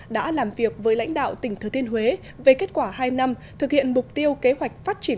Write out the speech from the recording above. đã làm việc với lãnh đạo tỉnh thừa thiên huế về kết quả hai năm thực hiện mục tiêu kế hoạch phát triển